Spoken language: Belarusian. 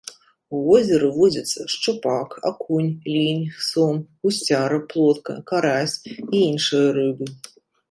У возеры водзяцца шчупак, акунь, лінь, сом, гусцяра, плотка, карась і іншыя рыбы.